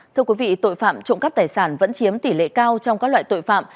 thưa quý vị tội phạm trộm cắp tài sản vẫn chiếm tỷ lệ cao trong các loại tội phạm